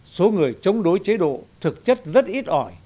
số người chống đối chế độ thực chất rất ít ỏi